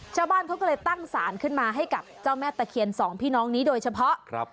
ชาวบ้านเขาก็เลยตั้งสารขึ้นมาให้กับเจ้าแม่ตะเคียนสองพี่น้องนี้โดยเฉพาะครับ